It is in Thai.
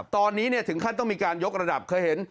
ตอนนี้ถึงขั้นต้องมีการยกระดับเคยเห็น